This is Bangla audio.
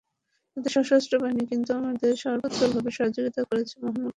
তাদের সশস্ত্র বাহিনী কিন্তু আমাদের সর্বতোভাবে সহযোগিতা করেছে মহান মুক্তিযুদ্ধের সময়।